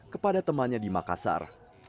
kepada temannya di makassar